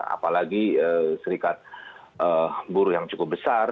apalagi serikat buruh yang cukup besar